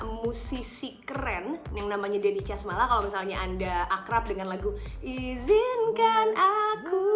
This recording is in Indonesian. musisi keren yang namanya denny casmala kalau misalnya anda akrab dengan lagu izinkan aku